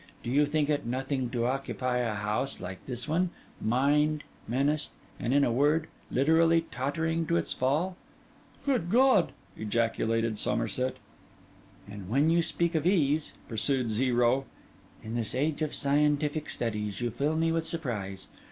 Do you think it nothing to occupy a house like this one, mined, menaced, and, in a word, literally tottering to its fall?' 'Good God!' ejaculated Somerset. 'And when you speak of ease,' pursued Zero, 'in this age of scientific studies, you fill me with surprise.